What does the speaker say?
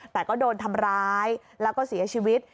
แต่ก็กัดโดนทำร้ายและเสียชีวิต